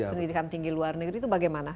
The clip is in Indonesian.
pendidikan tinggi luar negeri itu bagaimana